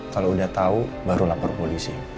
kalau udah tahu baru lapor polisi